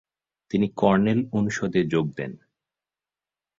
তিনি কর্নেল অনুষদে যোগ দেন।